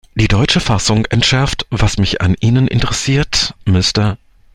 Die deutsche Fassung entschärft: „Was mich an Ihnen interessiert, Mr.